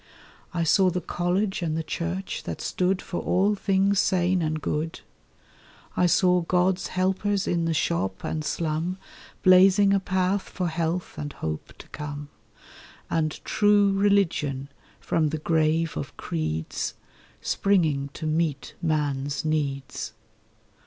I saw the college and the church that stood For all things sane and good. I saw God's helpers in the shop and slum Blazing a path for health and hope to come, And True Religion, from the grave of creeds, Springing to meet man's needs.